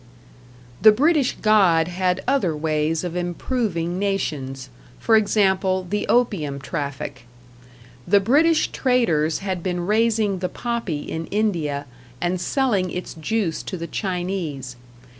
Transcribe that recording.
The British God had other ways of improving nations for example, the opium traffic. The British traders had been raising the poppy in India and selling its juice to the Chinese.